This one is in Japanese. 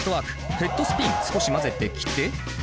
ヘッドスピン少し交ぜてきて。